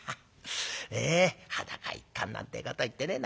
裸一貫なんてこと言ってるよ。